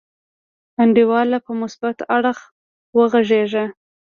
انډیواله په مثبت اړخ وغګیږه.